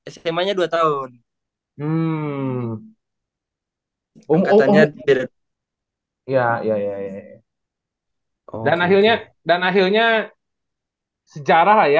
setahun dibawah lo ya